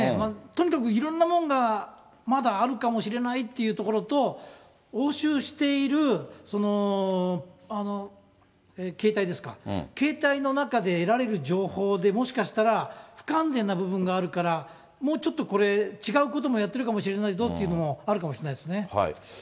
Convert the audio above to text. とにかくいろんなものが、まだあるかもしれないっていうところと、押収している携帯ですか、携帯の中で得られる情報でもしかしたら、不完全な部分があるから、もうちょっとこれ、違うこともやってるかもしれないぞというのもあるかもしれないですね。